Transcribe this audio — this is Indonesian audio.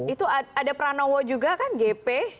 itu ada pranowo juga kan gp